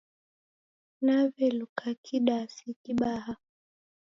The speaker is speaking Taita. Naw'elukakidasi kibaha.